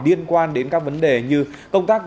liên quan đến các vấn đề như công tác